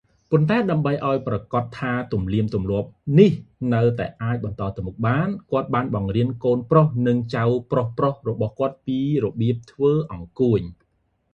ប៉ុន្តែដើម្បីធ្វើឱ្យប្រាកដថាទំនៀមទម្លាប់នេះនៅតែអាចបន្តទៅមុខបាន គាត់បានបង្រៀនកូនប្រុស និងចៅប្រុសៗគាត់ពីរបៀបធ្វើអង្កួច។